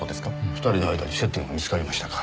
２人の間に接点は見つかりましたか？